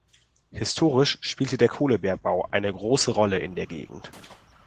Historisch spielte der Kohlebergbau eine große Rolle in der Gegend.